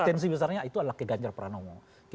potensi besarnya itu adalah ke ganjar pranowo